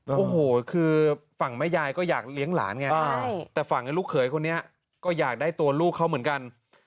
โอ้โหคือฝั่งแม่ยายก็อยากเลี้ยงหลานไงแต่ฝั่งลูกเขยคนนี้ก็อยากได้ตัวลูกเขาเหมือนกัน